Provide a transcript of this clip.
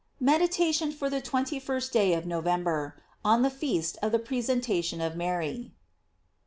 MEDITATION FOR THE TWENTY FIRST DAY OF NOVEMBER. On the Feast of the Presentation of Mary.